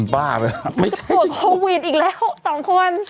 บ้าไปไม่ใช่ตรวจโฮวินอีกแล้วสองคน